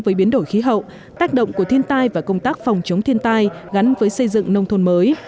với biến đổi khí hậu tác động của thiên tai và công tác phòng chống thiên tai gắn với xây dựng nông thôn mới